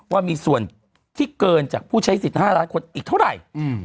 ว่ามีส่วนที่เกินจากผู้ใช้สิทธิ์๕ล้านคนอีกเท่าไหร่